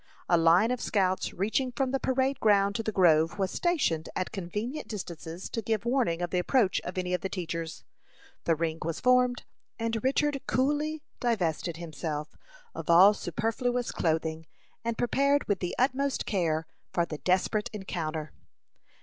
A line of scouts reaching from the parade ground to the grove was stationed at convenient distances to give warning of the approach of any of the teachers. The ring was formed, and Richard coolly divested himself of all superfluous clothing, and prepared with the utmost care for the desperate encounter.